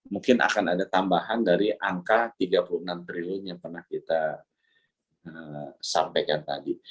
mungkin akan ada tambahan dari angka tiga puluh enam triliun yang pernah kita sampaikan tadi